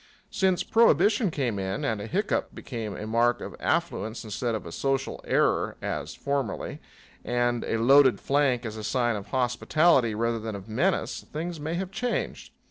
Since prohibition came in and a hiccup became a mark of affluence instead of a social error, as formerly, and a loaded flank is a sign of hospitality rather than of menace, things may have changed.